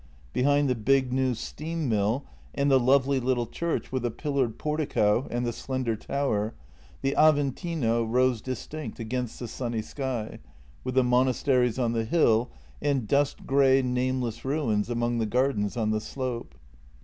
Behind the big, new steam mill and the lovely little church with the pillared portico and the slender tower, the Aventino rose distinct against the sunny sky, with the monasteries on the hill, and dust grey, nameless ruins among the gardens on the slope.